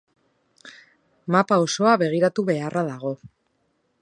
Mapa osoa begiratu beharra dago.